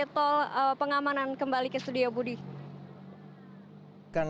tol pengamanan kembali ke studio budi